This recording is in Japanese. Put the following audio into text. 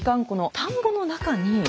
この田んぼの中に。